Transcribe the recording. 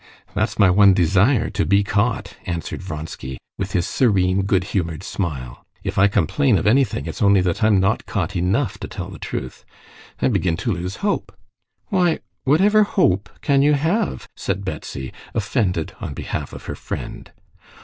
"That's my one desire, to be caught," answered Vronsky, with his serene, good humored smile. "If I complain of anything it's only that I'm not caught enough, to tell the truth. I begin to lose hope." "Why, whatever hope can you have?" said Betsy, offended on behalf of her friend.